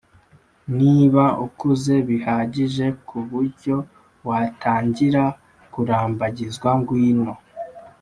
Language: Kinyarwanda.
Niba ukuze bihagije ku buryo watangira kurambagiza ngwino